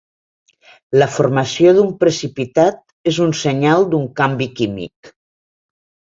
La formació d'un precipitat és un senyal d'un canvi químic.